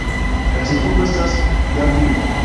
La ĉefurbo estas Darvino.